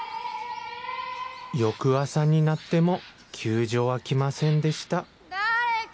翌朝になっても救助は来ませんでした誰か！